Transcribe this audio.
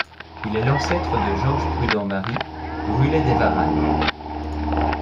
Il est l'ancêtre de Georges-Prudent-Marie Bruley des Varannes.